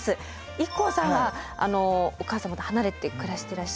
ＩＫＫＯさんはお母様と離れて暮らしていらっしゃるますよね？